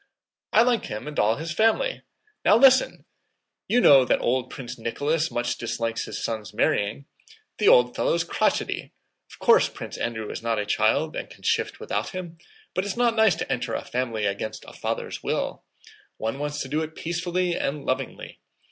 "I like him and all his family. Now listen! You know that old Prince Nicholas much dislikes his son's marrying. The old fellow's crotchety! Of course Prince Andrew is not a child and can shift without him, but it's not nice to enter a family against a father's will. One wants to do it peacefully and lovingly.